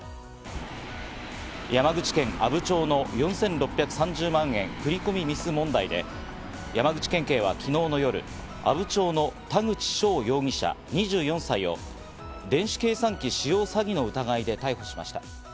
山口県阿武町の４６３０万円振り込みミス問題で、山口県警は昨日、夜阿武町の田口翔容疑者２４歳を電子計算機使用詐欺罪の疑いで逮捕しました。